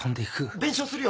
弁償するよ。